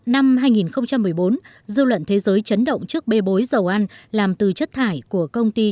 năm hai nghìn một mươi bốn dư luận thế giới chấn động trước bê bối dầu ăn làm từ chất thải của công ty